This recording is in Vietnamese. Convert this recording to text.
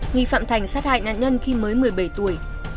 nghi phạm thành sát hại nạn nhân khi mới một mươi bảy tuổi